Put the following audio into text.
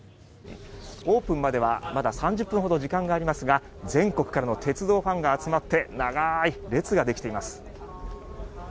オープンまではまだ３０分ほど時間がありますが全国からの鉄道ファンが集まって長い列ができています。